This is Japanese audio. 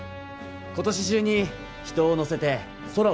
今年中に人を乗せて空を飛ぶ予定です。